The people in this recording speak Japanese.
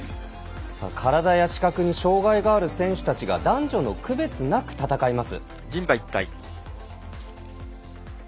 体や視覚に障がいがある選手たちが男女の区別なく戦います。